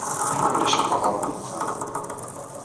Ulac akk aɣrum deg uxxam-a.